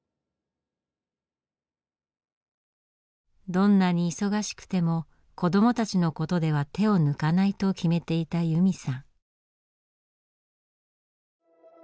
どんなに忙しくても子どもたちのことでは手を抜かないと決めていた由美さん。